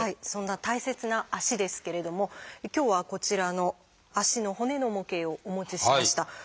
そんな大切な足ですけれども今日はこちらの足の骨の模型をお持ちしました。